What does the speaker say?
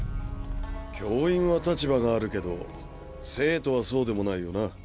教員は立場があるけど生徒はそうでもないよな。